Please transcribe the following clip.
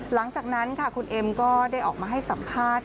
หลังจากนั้นค่ะคุณเอ็มก็ได้ออกมาให้สัมภาษณ์